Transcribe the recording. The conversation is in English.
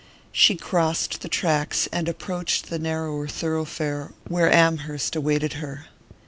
She crossed the tracks and approached the narrower thoroughfare where Amherst awaited her.